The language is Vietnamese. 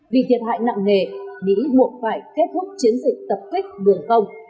vì thiệt hại nặng nghề mỹ muộn phải kết thúc chiến dịch tập kích đường không